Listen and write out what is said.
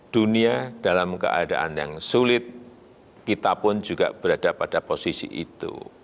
dunia dalam keadaan yang sulit kita pun juga berada pada posisi itu